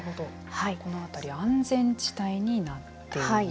この辺りは安全地帯になっている。